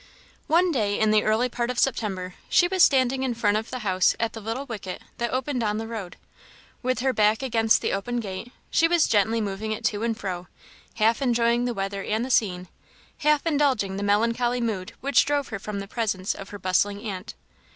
One day in the early part of September, she was standing in front of the house at the little wicket that opened on the road. With her back against the open gate, she was gently moving it to and fro, half enjoying the weather and the scene, half indulging the melancholy mood which drove her from the presence of her bustling aunt.